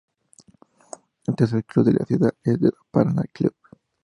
El tercer club de la ciudad es el Paraná Clube.